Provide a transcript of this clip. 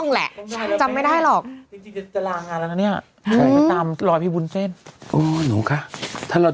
เขาต้องเปิดท่องแหละ